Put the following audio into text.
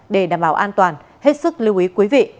để đảm bảo an toàn hết sức lưu ý quý vị